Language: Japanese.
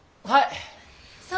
はい。